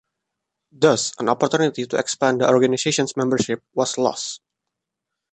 Thus, an opportunity to expand the organization's membership was lost.